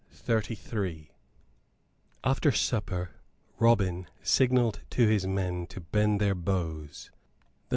CHAPTER XXXIII After supper Robin signalled to his men to bend their bows.